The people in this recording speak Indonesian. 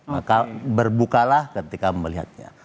maka berbukalah ketika melihatnya